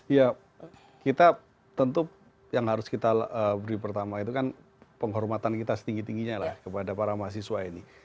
ya kita tentu yang harus kita beri pertama itu kan penghormatan kita setinggi tingginya lah kepada para mahasiswa ini